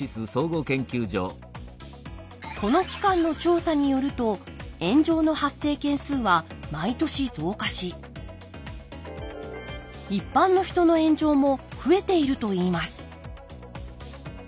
この機関の調査によると炎上の発生件数は毎年増加し一般の人の炎上も増えているといいます。